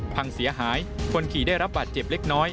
พังเสียหายคนขี่ได้รับบาดเจ็บเล็กน้อย